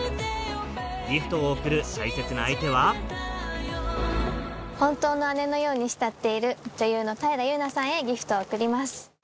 ギフトを贈る大切な相手は本当の姉のように慕っている女優の平祐奈さんへギフトを贈ります。